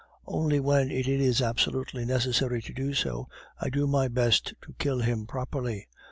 "Only when it is absolutely necessary to do so, I do my best to kill him properly.